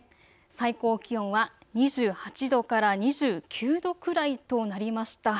最高気温は２８度から２９度くらいとなりました。